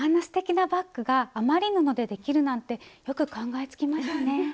すてきなバッグが余り布でできるなんてよく考えつきましたね。